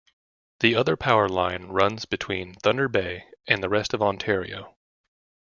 The other power line runs between Thunder Bay and the rest of Ontario.